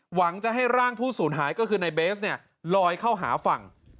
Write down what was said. หวังจะให้ร่างผู้สูญหายก็คือในเบสเนี่ยลอยเข้าหาฝั่ง